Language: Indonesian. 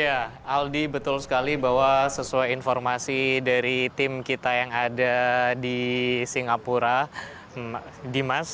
ya aldi betul sekali bahwa sesuai informasi dari tim kita yang ada di singapura dimas